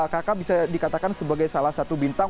kakak bisa dikatakan sebagai salah satu bintang